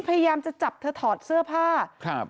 พยายามจะจับเธอถอดเสื้อผ้าครับ